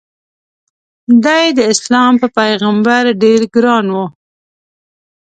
د ی داسلام په پیغمبر ډېر ګران و.